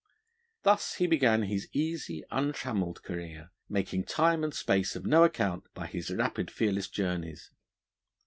Thus he began his easy, untrammelled career, making time and space of no account by his rapid, fearless journeys.